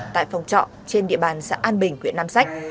tại phòng trọ trên địa bàn xã an bình huyện nam sách